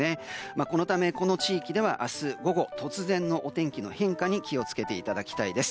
このため、この地域では明日午後、突然のお天気の変化に気をつけていただきたいです。